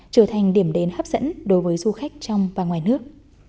trở thành điểm đến hấp dẫn đối với du khách trong và ngoài nước